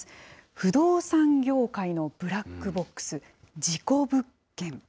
不動産業界のブラックボックス、事故物件。